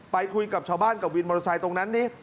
ไปคุยกับชาวบ้านกับวินมอรสัยตรงนั้น